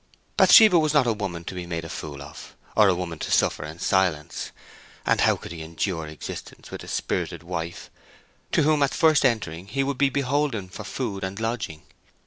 Bathsheba was not a woman to be made a fool of, or a woman to suffer in silence; and how could he endure existence with a spirited wife to whom at first entering he would be beholden for food and lodging?